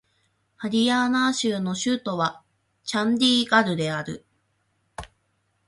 ハリヤーナー州の州都はチャンディーガルである